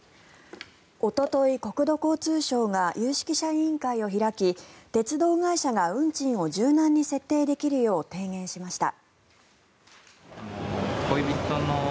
おととい、国土交通省が有識者委員会を開き鉄道会社が運賃を柔軟に設定できるよう提言しました。